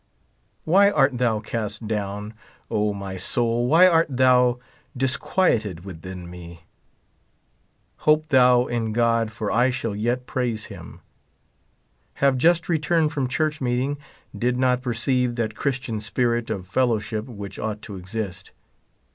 Wh}' art thou cast down, Omy soul, why art thou dis quieted within me ? Hope thou in God, for I shall yet praise him. Have just returned from church meeting. Did not perceive that Christian spirit of fellowship which ought to exist.